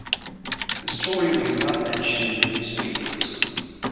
The story was not mentioned in the newspapers.